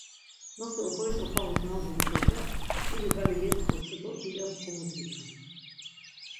Nosi oxoyiş opağus na uğun oxorcak, iri gale get̆k̆oçu do dulyas komudgitu.